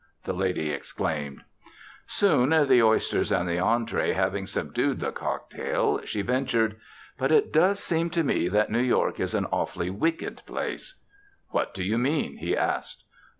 the lady exclaimed. Soon, the oysters and the entree having subdued the cocktail, she ventured: "But it does seem to me that New York is an awfully wicked place." "What do you mean?" he asked.